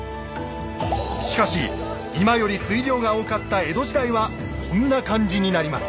しかし今より水量が多かった江戸時代はこんな感じになります。